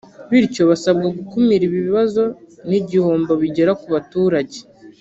bityo basabwa gukumira ibi bibazo n’igihombo bigera ku baturage